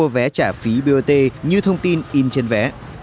vẽ trả phí bot như thông tin in trên vẽ